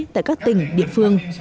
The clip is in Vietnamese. tại các tỉnh địa phương